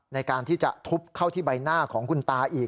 ในการที่จะทุบเข้าที่ใบหน้าของคุณตาอีก